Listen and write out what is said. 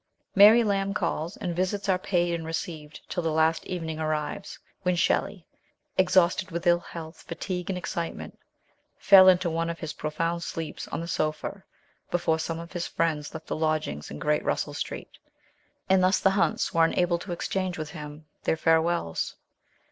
Mary Lamb calls, and visits are paid and received till the last evening arrives, when Shelley, exhausted with ill health, fatigue, and excitement, fell into one of his profound sleeps on the sofa before some of his friends left the lodgings in Great Russell Street, and thus the Hunts were unable to exchange with him their farewells.